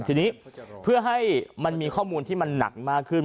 ทีนี้เพื่อให้มันมีข้อมูลที่มันหนักมากขึ้น